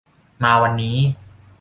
มาวันนี้